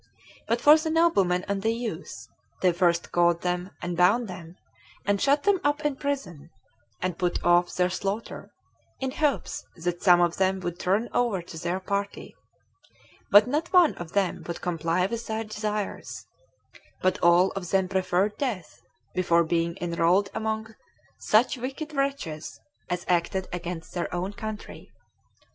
But for the noblemen and the youth, they first caught them and bound them, and shut them up in prison, and put off their slaughter, in hopes that some of them would turn over to their party; but not one of them would comply with their desires, but all of them preferred death before being enrolled among such wicked wretches as acted against their own country.